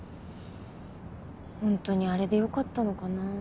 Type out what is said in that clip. ホントにあれでよかったのかな？